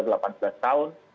dia sudah delapan belas tahun